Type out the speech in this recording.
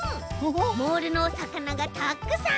モールのおさかながたくさん！